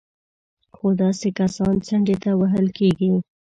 خو داسې کسان څنډې ته وهل کېږي